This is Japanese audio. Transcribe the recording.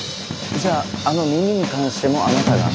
じゃああの耳に関してもあなたが？